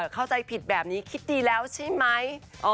เข้าใจผิดแบบนี้คิดดีแล้วใช่ไหม